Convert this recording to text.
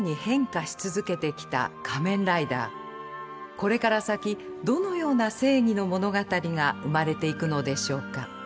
これから先どのような正義の物語が生まれていくのでしょうか。